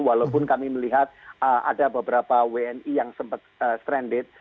walaupun kami melihat ada beberapa wni yang sempat stranded